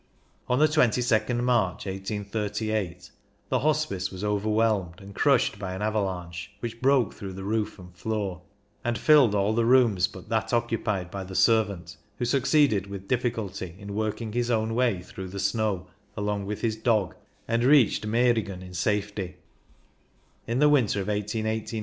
On the 22nd March, 1838, the Hospice was over whelmed and crushed by an avalanche, which broke through the roof and floor, and filled all the rooms but that occupied by the servant, who succeeded with diffi culty in working his own way through the snow, along with his dog, and reached THE GRIMSEL 137 Meiringen in safety.